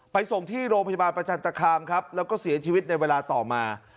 ส่งที่โรงพยาบาลประจันตคามครับแล้วก็เสียชีวิตในเวลาต่อมา